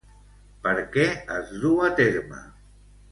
Per què es du a terme?